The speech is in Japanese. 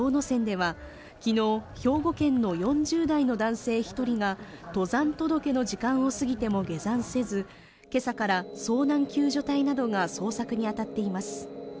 山では昨日兵庫県の４０代の男性一人が登山届の時間を過ぎても下山せず今朝から遭難救助隊などが捜索に当たっています